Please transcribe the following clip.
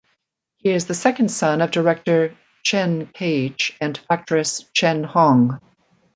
He is the second son of director Chen Kaige and actress Chen Hong.